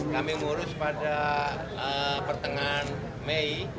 kami ngurus pada pertengahan mei